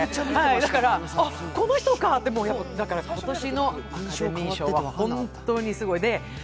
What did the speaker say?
だから、あっ、この人かって今年のアカデミー賞は本当にすごい。